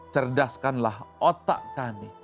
cerdaskanlah otak kami